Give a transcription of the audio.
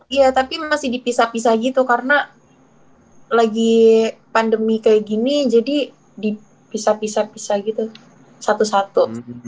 iya tapi masih dipisah pisah gitu karena lagi pandemi kayak gini jadi dipisah pisah pisah gitu satu satu